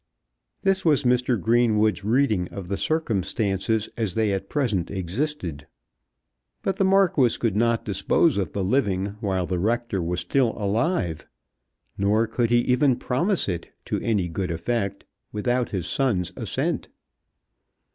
This was Mr. Greenwood's reading of the circumstances as they at present existed. But the Marquis could not dispose of the living while the Rector was still alive; nor could he even promise it, to any good effect, without his son's assent.